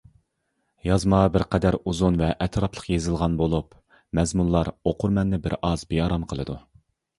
يازما بىرقەدەر ئۇزۇن ۋە ئەتراپلىق يېزىلغان بولۇپ مەزمۇنلار ئوقۇرمەننى بىر ئاز بىئارام قىلىدۇ.